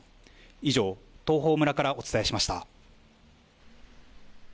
以上、東峰村からお伝えしました。